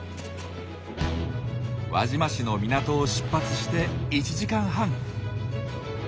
輪島市の港を出発して１時間半。